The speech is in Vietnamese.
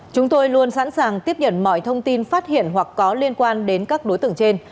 chúng tôi luôn sẵn sàng tiếp nhận mọi thông tin phát hiện hoặc có liên quan đến các đối tượng trên